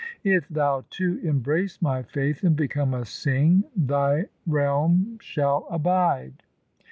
If thou too embrace my faith and become a Singh, thy realm shall abide.'